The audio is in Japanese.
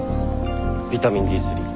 ビタミンＤ３。